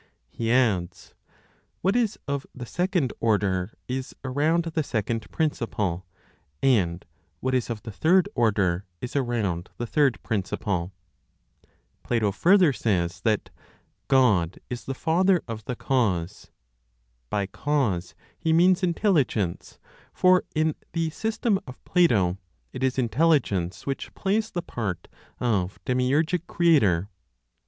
He adds, "What is of the second order is around the second principle; and what is of the third order is around the third principle." Plato further says that "God is the father of the cause." By cause, he means Intelligence; for, in the system of Plato, it is Intelligence which plays the part of demiurgic creator.